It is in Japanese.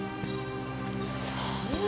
そんな！